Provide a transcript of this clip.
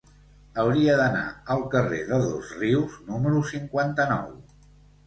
Hauria d'anar al carrer de Dosrius número cinquanta-nou.